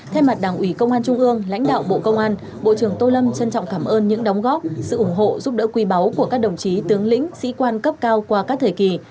thay mặt đảng ủy công an trung ương lãnh đạo bộ công an bộ trưởng tô lâm trân trọng cảm ơn những đóng góp sự ủng hộ giúp đỡ quý báu của các đồng chí tướng lĩnh sĩ quan cấp cao qua các thời kỳ